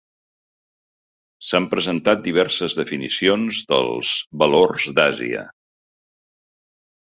S'han presentat diverses definicions dels "valors d'Àsia".